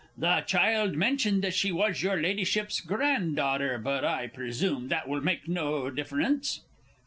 The child mentioned that she was your Ladyship's granddaughter, but I presume that will make no difference?